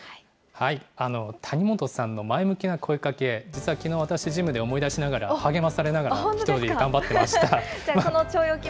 谷本さんの前向きな声かけ、実はきのう、私、ジムで思い出しながら、励まされながら、一人で頑張ってました。